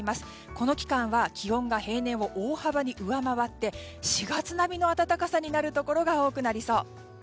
この期間は、気温が平年を大幅に上回って４月並みの暖かさになるところが多くなりそう。